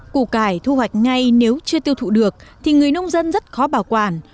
củ cải thu hoạch ngay nếu chưa tiêu thụ được thì người nông dân rất khó bảo quản